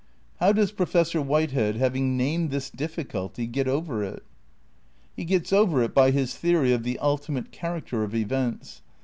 How does Professor Whitehead, having named this difficulty, get over it? He gets over it by his theory of the ultimate character of events.